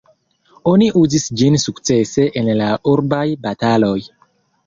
Oni uzis ĝin sukcese en la urbaj bataloj.